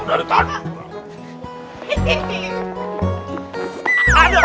aduh aduh aduh